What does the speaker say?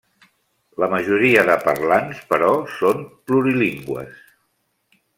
La majoria de parlants, però, són plurilingües.